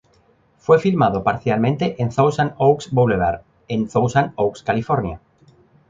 Fue filmado parcialmente en Thousand Oaks Boulevard en Thousand Oaks, California.